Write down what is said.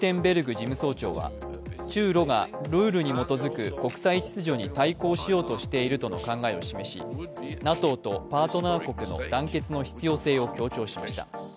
事務総長は中ロがルールに基づく国際秩序に対抗しようとしているとの考えを示しＮＡＴＯとパートナー国との団結の必要性を強調しました。